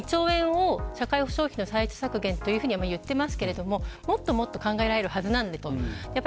２兆円を社会保障費の歳出削減と言っていますけどもっともっと考えられるはずです。